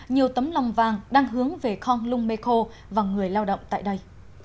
nhiều tấm lòng vàng đang hướng về konglung mekho và người lao động tại đây